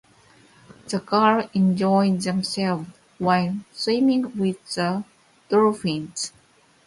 The girls enjoyed themselves while swimming with the dolphins.